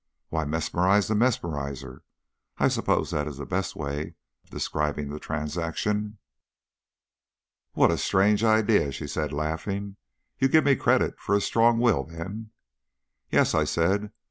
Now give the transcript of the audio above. "Why, mesmerised the mesmeriser I suppose that is the best way of describing the transaction." "What a strange idea!" she said, laughing. "You give me credit for a strong will then?" "Yes," I said.